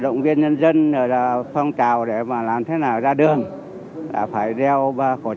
đặc biệt nhận được sự đồng thuận cao của nhân dân đã cam kết không vi phạm pháp luật